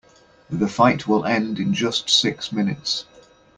The fight will end in just six minutes.